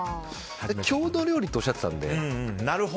郷土料理とおっしゃってらしたので。